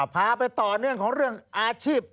พาไปต่อเนื่องของเรื่องอาชีพ